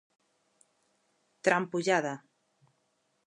Trampullada.